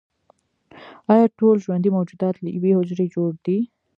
ایا ټول ژوندي موجودات له یوې حجرې جوړ دي